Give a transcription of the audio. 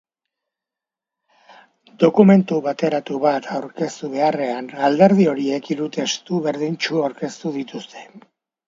Dokumentu bateratu bat aurkeztu beharrean, alderdi horiek hiru testu berdintsu aurkeztu dituzte.